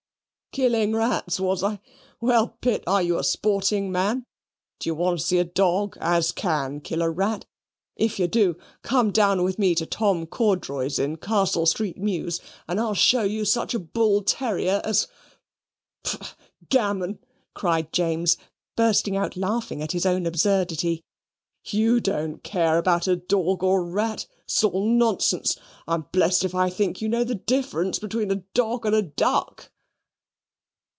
"Killing rats was I? Well, Pitt, are you a sporting man? Do you want to see a dawg as CAN kill a rat? If you do, come down with me to Tom Corduroy's, in Castle Street Mews, and I'll show you such a bull terrier as Pooh! gammon," cried James, bursting out laughing at his own absurdity "YOU don't care about a dawg or rat; it's all nonsense. I'm blest if I think you know the difference between a dog and a duck."